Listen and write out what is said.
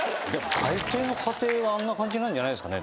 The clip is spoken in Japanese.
でも大抵の家庭はあんな感じなんじゃないですかね